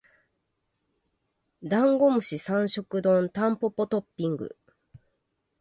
ダンゴムシ三食丼タンポポトッピング